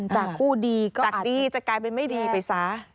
จากคู่ดีจากดีจะกลายเป็นไม่ดีไปซะ